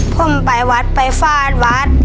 ผมไปวัดไปฟาดวัด